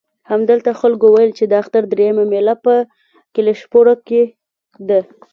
همدلته خلکو وویل چې د اختر درېیمه مېله په کلشپوره کې ده.